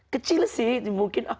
kecil sih mungkin